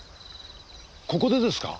ここでですか？